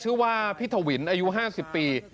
ชื่อว่าพี่ถวินอายุ๕๐ปี